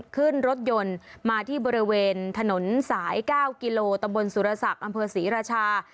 ขึ้นรถยนต์มาที่บริเวณถนนสาย๙กิโลตำบลสุรศักดิ์อำเภอศรีราชา